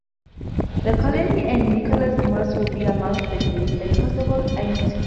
De Coligny and Nicholas Muss will be amongst the dead, and possibly Anne too.